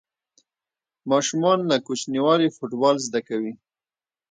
ماشومان له کوچنیوالي فوټبال زده کوي.